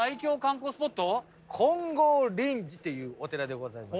金剛輪寺っていうお寺でございます。